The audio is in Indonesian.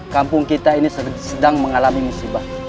kampung kita ini sedang mengalami musibah